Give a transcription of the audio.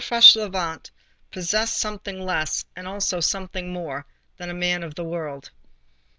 Fauchelevent possessed something less and also something more, than a man of the world.